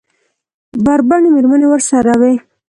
بربنډې مېرمنې ورسره وې.